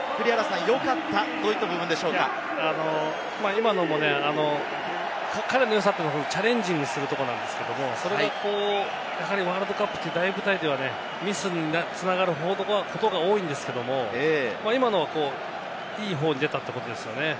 今のも彼のよさというのはチャレンジングするところなんですけど、ワールドカップという大舞台ではミスに繋がることの方が多いんですけれども、今のはいい方に出たということですね。